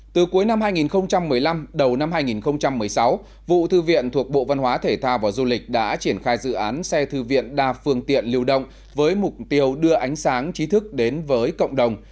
từ cuối năm hai nghìn một mươi năm đầu năm hai nghìn một mươi sáu vụ thư viện thuộc bộ văn hóa thể thao và du lịch đã triển khai dự án xe thư viện đa phương tiện lưu động với mục tiêu đưa ánh sáng trí thức đến với cộng đồng